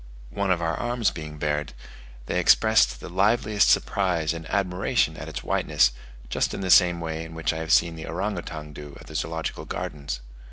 One of our arms being bared, they expressed the liveliest surprise and admiration at its whiteness, just in the same way in which I have seen the ourangoutang do at the Zoological Gardens.